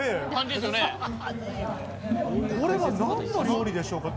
これは何の料理でしょうか？